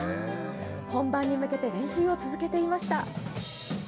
本番に向けて練習を続けていました。